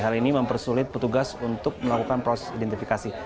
hal ini mempersulit petugas untuk melakukan proses identifikasi